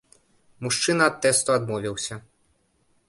Мужчына ад тэсту адмовіўся.